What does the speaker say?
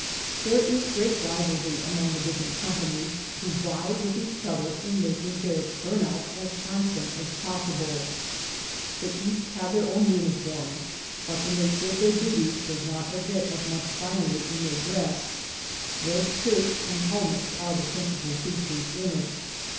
There is great rivalry among the different companies, who vie with each other in making their turn out as hand some as possible. They each have their own uniform, but the nature of their duties does not admit of much finery in their dress; red shirts and helmets are the principal features in it.